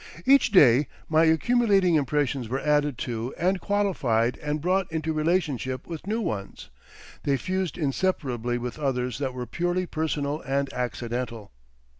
Each day my accumulating impressions were added to and qualified and brought into relationship with new ones; they fused inseparably with others that were purely personal and accidental.